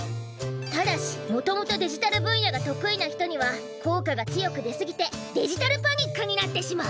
ただしもともとデジタル分野が得意な人には効果が強く出すぎてデジタルパニックになってしまう。